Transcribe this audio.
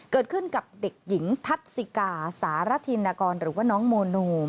เกิดขึ้นกับเด็กหญิงทัศิกาสารธินกรหรือว่าน้องโมโน